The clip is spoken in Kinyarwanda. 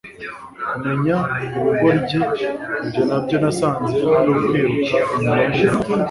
kumenya ubugoryi ibyo na byo nasanze ari ukwiruka inyuma y'umuyaga